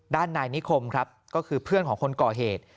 ด้านนายนิคมครับก็คือเพื่อนของคนก่อเหตุ